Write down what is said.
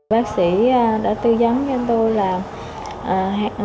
bác sĩ đã tư giấm cho tôi là